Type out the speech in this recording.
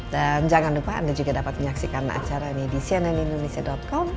jangan lupa anda juga dapat menyaksikan acara ini di cnnindonesia com